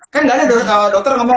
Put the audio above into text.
kan gak ada kalau dokter ngomong